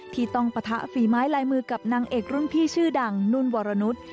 ที่ต้องปะทะฝีไม้ลายมือกับนางเอกรุ่นพี่ชื่อดังนุ่นวรนุษย์